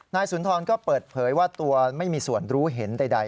สุนทรก็เปิดเผยว่าตัวไม่มีส่วนรู้เห็นใด